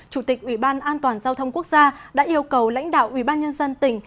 chủ tịch ủy ban an toàn giao thông quốc gia đã yêu cầu lãnh đạo ủy ban nhân dân tỉnh